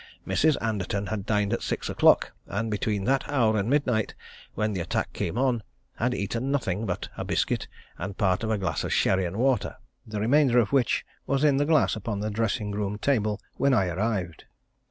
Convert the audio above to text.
Mrs. Anderton had dined at six o'clock, and between that hour and midnight, when the attack came on, had eaten nothing but a biscuit and part of a glass of sherry and water, the remainder of which was in the glass upon the dressing room table when I arrived.